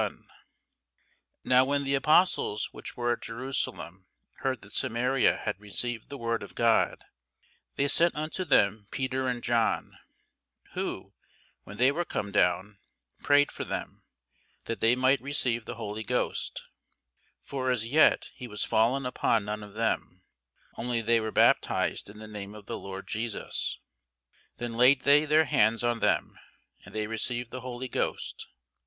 [Sidenote: The Acts 8] Now when the apostles which were at Jerusalem heard that Samaria had received the word of God, they sent unto them Peter and John: who, when they were come down, prayed for them, that they might receive the Holy Ghost: (for as yet he was fallen upon none of them: only they were baptized in the name of the Lord Jesus.) Then laid they their hands on them, and they received the Holy Ghost.